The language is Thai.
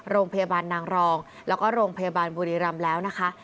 โรงพยาบาลนางรองแล้วก็โรงพยาบาลบุรีรำแล้วนะคะ